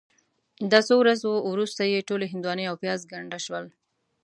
د څو ورځو وروسته یې ټولې هندواڼې او پیاز ګنده شول.